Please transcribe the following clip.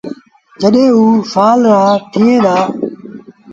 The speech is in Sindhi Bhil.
جڏهيݩ او سآل رآ ٿئيڻ دآ۔